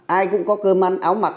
ai cũng có cơ man áo mặc